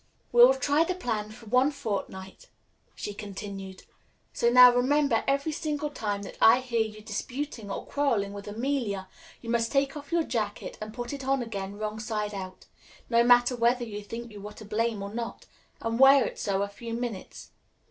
"We will try the plan for one fortnight," she continued. "So now remember, every single time that I hear you disputing or quarrelling with Amelia, you must take off your jacket and put it on again wrong side out no matter whether you think you were to blame or not and wear it so a few minutes.